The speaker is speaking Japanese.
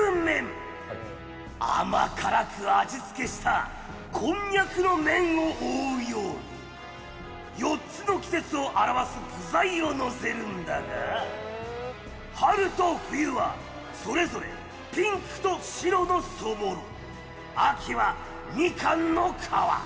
甘辛く味付けしたコンニャクの麺を覆うように４つの季節を表す具材をのせるんだが春と冬はそれぞれピンクと白のそぼろ秋はみかんの皮。